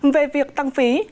về việc tăng phí